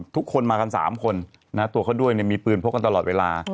ทุกคนมากัน๓คนตัวเขาด้วยมีปืนพกกันตลอดเวลา